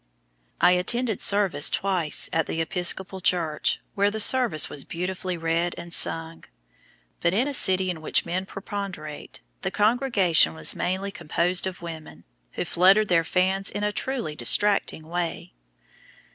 I attended service twice at the Episcopal church, where the service was beautifully read and sung; but in a city in which men preponderate the congregation was mainly composed of women, who fluttered their fans in a truly distracting way.